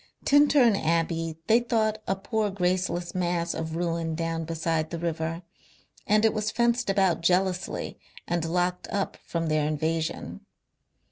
Tintern Abbey they thought a poor graceless mass of ruin down beside the river, and it was fenced about jealously and locked up from their invasion.